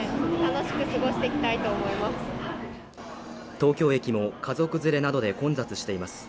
東京駅も家族連れなどで混雑しています。